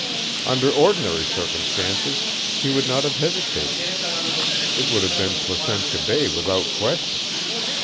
Under ordinary circumstances he would not have hesitated. It would have been Placentia Bay without question.